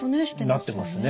なってますね。